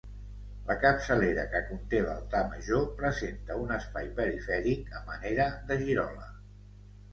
La capçalera, que conté l'altar major, presenta un espai perifèric a manera de girola.